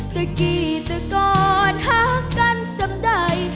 เต้อกี้เต้อก่อนหักกันสำใด